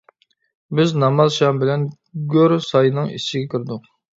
بىز نامازشام بىلەن گۆر ساينىڭ ئىچىگە كىردۇق.